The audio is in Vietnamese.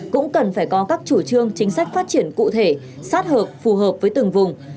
cũng cần phải có các chủ trương chính sách phát triển cụ thể sát hợp phù hợp với từng vùng